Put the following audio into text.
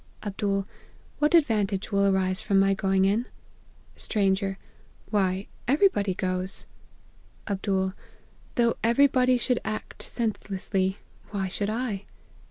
" Md* ' What advantage will arise from my going in ?'" Stranger. * Why, every body goes.' " Md. ' Though every body should act sense lessly, why should 1